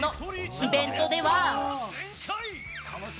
イベントでは。